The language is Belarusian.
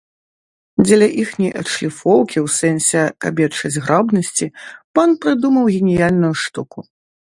Дзеля іхняй адшліфоўкі ў сэнсе кабечай зграбнасці пан прыдумаў геніяльную штуку.